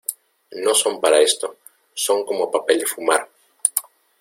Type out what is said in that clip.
no son para esto, son como papel de fumar.